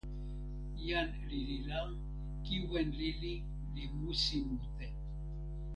jan lili la, kiwen lili li musi mute.